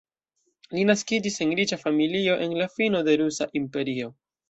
Li naskiĝis en riĉa familio en la fino de Rusa Imperio.